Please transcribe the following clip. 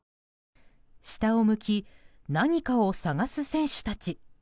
下を向き、何かを探す選手たち。